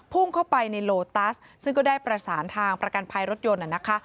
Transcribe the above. พุ่งเข้าไปในโลตัสซึ่งก็ได้ประสานทางประกันภัยรถยนต์นะคะ